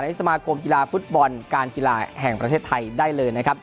สมาคมกีฬาฟุตบอลการกีฬาแห่งประเทศไทยได้เลยนะครับ